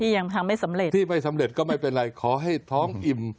ยังทำไม่สำเร็จที่ไม่สำเร็จก็ไม่เป็นไรขอให้ท้องอิ่ม